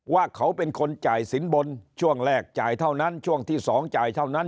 ว่าเขาเป็นคนจ่ายสินบนช่วงแรกจ่ายเท่านั้นช่วงที่๒จ่ายเท่านั้น